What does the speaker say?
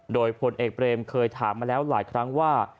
โดยพลเอกเบรมเคยถามมาแล้วหลายครั้งว่า